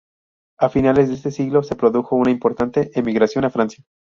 A finales de este siglo, se produjo una importante emigración a Francia.